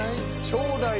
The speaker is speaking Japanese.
「ちょーだい」？